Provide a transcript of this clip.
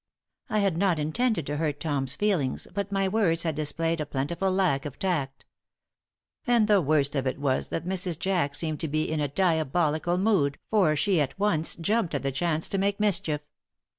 I had not intended to hurt Tom's feelings, but my words had displayed a plentiful lack of tact. And the worst of it was that Mrs. Jack seemed to be in a diabolical mood, for she at once jumped at the chance to make mischief.